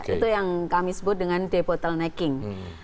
itu yang kami sebut dengan debotlenecking